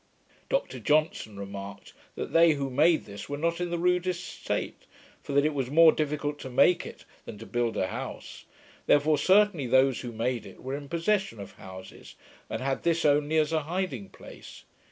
Dr Johnson remarked, that they who made this were not in the rudest state; for that it was more difficult to make it than to build a house; therefore certainly those who made it were in possession of houses, and had this only as a hiding place.